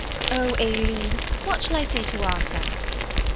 Oh, Aileen! what shall I say to Arthur?"